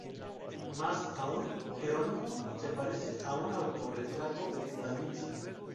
Más aún, Jerónimo se parece a un autorretrato de da Vinci.